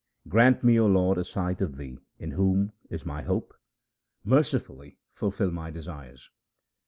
Grant me, O Lord, a sight of Thee in whom is my hope. Mercifully fulfil my desires.